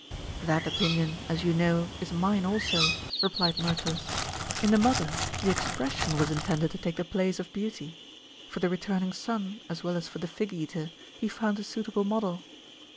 "That opinion, as you know, is mine also," replied Myrtilus. "In the mother the expression was intended to take the place of beauty. For the returning son, as well as for the fig eater, he found a suitable model.